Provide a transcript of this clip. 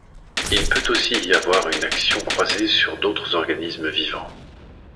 Il peut aussi y avoir une action croisée sur d'autres organismes vivants.